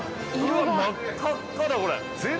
真っ赤っ赤だこれ！